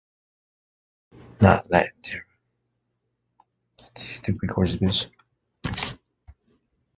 Theme songs from telenovelas also became popular on radio airwaves in Venezuela.